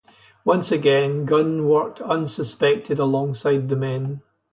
Once again, Gunn worked unsuspected alongside the men.